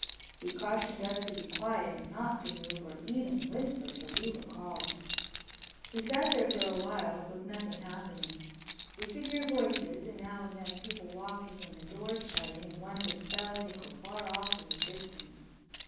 He cautioned us to be quiet and not to move or even whisper till we were called. We sat there for a while with nothing happening. We could hear voices, and now and then people walking and doors shutting, and once a bell tinkled far off in the distance.